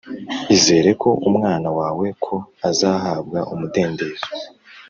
Izere ko umwana wawe ko azahabwa umudendezo